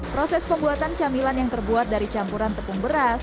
proses pembuatan camilan yang terbuat dari campuran tepung beras